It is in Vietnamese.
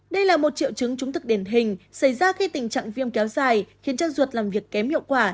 đây là một triệu chứng trúng thực đền hình xảy ra khi tình trạng viêm kéo dài khiến chân ruột làm việc kém hiệu quả